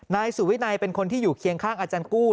นายสุวินัยเป็นคนที่อยู่เคียงข้างอาจารย์กู้